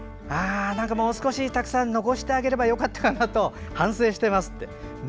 もう少したくさん残してあげればよかったかなと反省していますと。